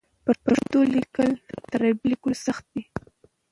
پښتو لیکل تر عربي لیکلو سخت دي.